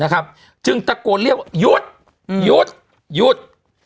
จึงตะโกนเรียกว่าหยุดหยุดหยุด